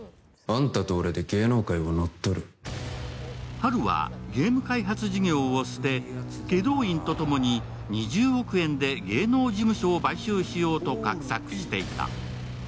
ハルはゲーム開発事業を捨て、２０億円で芸能事務所を買収しようと画策していた。